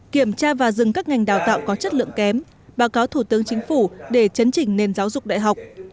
kiểm tra và dừng các ngành đào tạo có chất lượng kém báo cáo thủ tướng chính phủ để chấn chỉnh nền giáo dục đại học